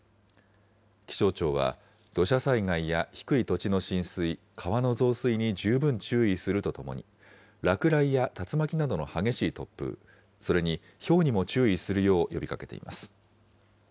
気象庁は、土砂災害や低い土地の浸水、川の増水に十分注意するとともに、落雷や竜巻などの激しい突風、それにひょうにも注意するよう呼びかけています。